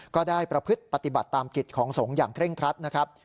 ก็ได้ประพฤติปฏิบัติตามกิจของสงฆ์อย่างเร่งครัดนะครับ